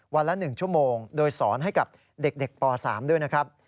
วันละ๑ชั่วโมงโดยสอนให้กับเด็กป๓ด้วยนะครับ